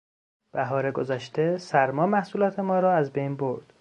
بهار گذشته، سرما محصولات ما را از بین برد.